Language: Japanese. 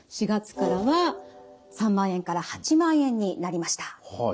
４月からは３万円から８万円になりました。